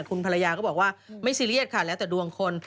คุณภรรยาก็บอกว่าไม่ซีเรียสค่ะแล้วแต่ดวงคน